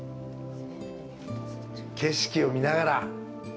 景色を見ながら。